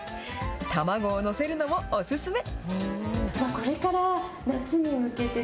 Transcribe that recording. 卵を載せるのもお勧め。